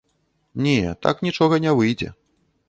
Не, такі нічога не выйдзе.